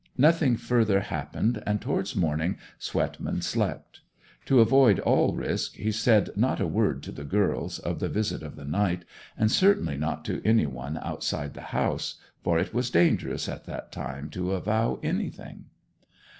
Nothing further happened, and towards morning Swetman slept. To avoid all risk he said not a word to the girls of the visit of the night, and certainly not to any one outside the house; for it was dangerous at that time to avow anything.